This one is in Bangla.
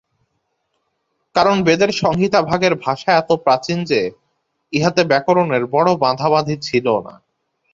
কারণ বেদের সংহিতাভাগের ভাষা এত প্রাচীন যে, ইহাতে ব্যাকরণের বড় বাঁধাবাঁধি ছিল না।